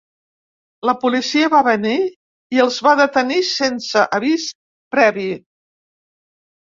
La policia va venir i els va detenir sense avís previ.